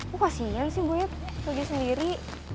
kok kasihan sih boynya tuh dia sendiri